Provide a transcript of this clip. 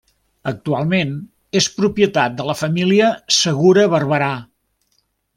Actualment és propietat de la família Segura Barberà.